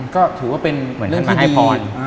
ก็ถือว่าเป็นเรื่องที่ดีเหมือนท่านมาให้พร